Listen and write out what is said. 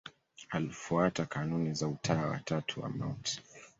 Alifuata kanuni za Utawa wa Tatu wa Mt.